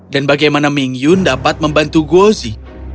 dan bagaimana ming yun dapat membantu gozi